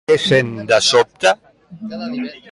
Què sent de sobte?